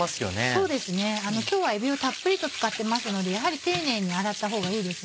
そうです今日はえびをたっぷりと使ってますのでやはり丁寧に洗ったほうがいいです。